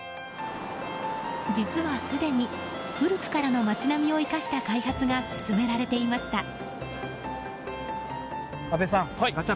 実はすでに古くからの街並みを生かした開発が進められていました。